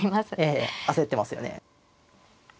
ええ焦ってますよね。